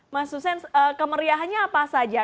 mas hussein kemeriahannya apa saja